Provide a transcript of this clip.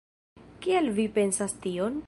Kial vi pensas tion?